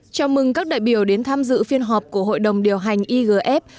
chào mừng các đại biểu đến tham dự phiên họp của hội đồng điều hành igf